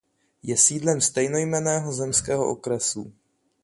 Je sídlem stejnojmenného zemského okresu.